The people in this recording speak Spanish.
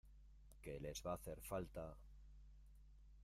que les va a hacer falta.